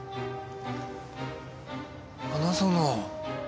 花園。